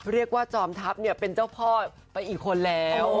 เรียกว่าจอมทัพเนี่ยเป็นเจ้าพ่อไปอีกคนแล้ว